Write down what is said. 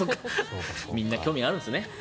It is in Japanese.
みんな興味があるんですね。